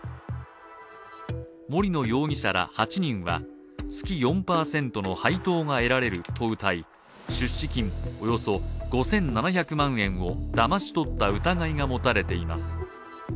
森野容疑者ら８人は月４％の配当が得られるとうたい、出資金およそ５７００万円をだまし取った疑いが持たれています。